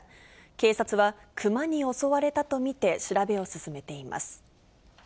警察は、クマに襲われたと見て、調べを進めています。